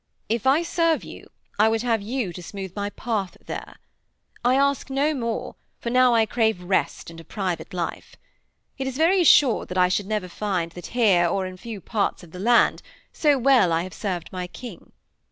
If I serve you, I would have you to smooth my path there. I ask no more, for now I crave rest and a private life. It is very assured that I should never find that here or in few parts of the land so well I have served my King.